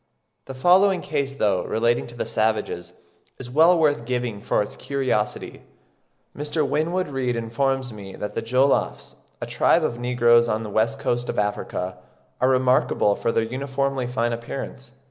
The following case, though relating to savages, is well worth giving for its curiosity. Mr. Winwood Reade informs me that the Jollofs, a tribe of negroes on the west coast of Africa, "are remarkable for their uniformly fine appearance."